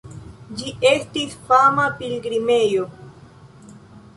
Ĝi estis fama pilgrimejo.